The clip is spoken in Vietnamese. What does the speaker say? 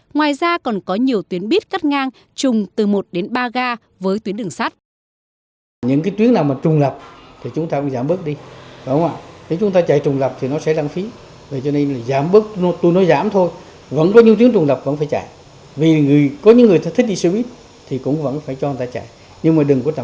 ngoài ra còn có nhiều tuyến buýt cắt ngang chung từ một đến ba ga với tuyến đường sắt